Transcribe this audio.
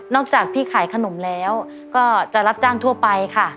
จากพี่ขายขนมแล้วก็จะรับจ้างทั่วไปค่ะ